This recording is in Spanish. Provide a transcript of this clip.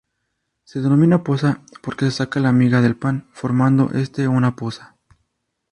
Se denomina poza porque se saca la miga del pan formando este una poza.